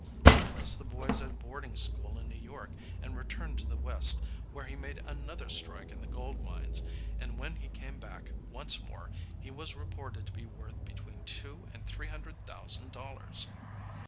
He placed the boys at a boarding school in New York and returned to the West, where he made another strike in the gold mines; and when he came back once more he was reported to be worth between two and three hundred thousand dollars.